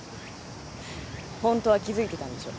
ホントは気付いてたんでしょ。